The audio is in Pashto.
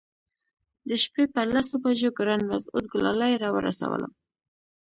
د شپې پر لسو بجو ګران مسعود ګلالي راورسولم.